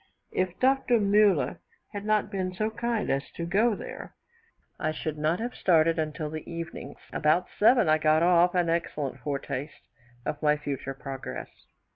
If Dr. Muller had not been so kind as to go there, I should not have started until the evening. About 7, I got off an excellent foretaste of my future progress.